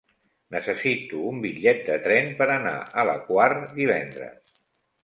Necessito un bitllet de tren per anar a la Quar divendres.